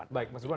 baik mas ibu